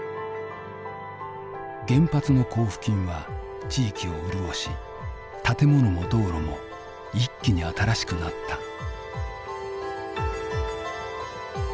原発の交付金は地域を潤し建物も道路も一気に新しくなった。